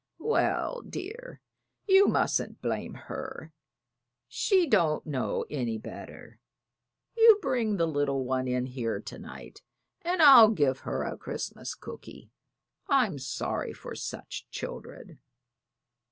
"Well, dear, you mustn't blame her she don't know any better. You bring the little one in here to night and I'll give her a Christmas cooky. I'm sorry for such children."